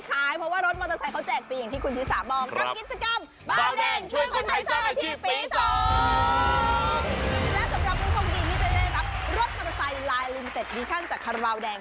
และสำหรับผู้โชคดีที่จะได้รับรถมอเตอร์ไซค์ลายลินเต็ดดิชั่นจากคาราบาลแดง